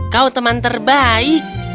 kau teman terbaik